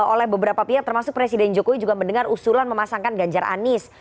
oleh beberapa pihak termasuk presiden jokowi juga mendengar usulan memasangkan ganjar anis